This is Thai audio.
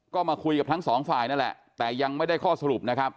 ก็มาคุยกับทั้งสองฝ่ายนั่นแหละแต่ยังไม่ได้ข้อสรุปนะครับ